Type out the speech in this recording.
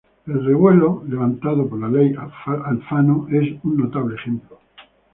El revuelo levantado por la ley Alfano es un notable ejemplo.